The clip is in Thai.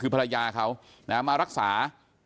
คือภรรยาเขานะครับมารักษา